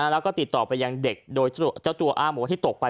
แล้วก็ติดต่อไปยังเด็กโดยเจ้าตัวอ้างบอกว่าที่ตกไป